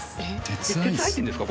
鉄入ってるんですか？